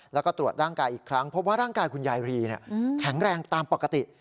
แล้วก็ตรวจร่างกายอีกครั้งเพราะว่าร่างกายคุณยายรีแข็งแรงตามปกติ